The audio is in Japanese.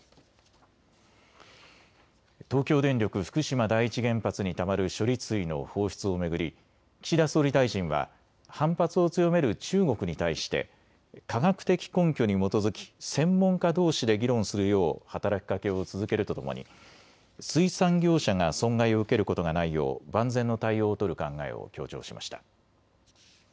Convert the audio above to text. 東京電力福島第一原発にたまる処理水の放出を巡り岸田総理大臣は反発を強める中国に対して科学的根拠に基づき専門家どうしで議論するよう働きかけを続けるとともに水産業者が損害を受けることがないよう万全の対応を取る考えを強調しました。